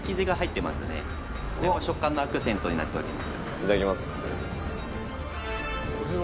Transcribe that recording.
いただきます。